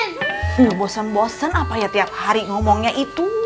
nggak bosen bosen apa ya tiap hari ngomongnya itu